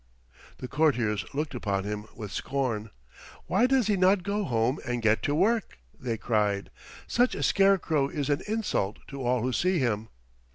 The courtiers looked upon him with scorn. "Why does he not go home and get to work?" they cried. "Such a scarecrow is an insult to all who see him."